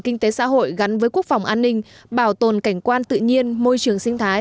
kinh tế xã hội gắn với quốc phòng an ninh bảo tồn cảnh quan tự nhiên môi trường sinh thái